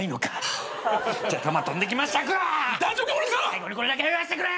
最後にこれだけは言わしてくれ！